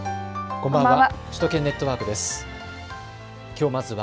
こんばんは。